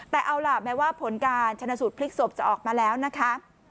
แต่เอาล่ะแม้ว่าผลการชนะสูตรพลิกศพจะออกมาแล้วนะคะ